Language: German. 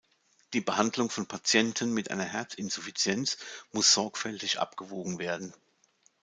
Die Behandlung von Patienten mit einer Herzinsuffizienz muss sorgfältig abgewogen werden.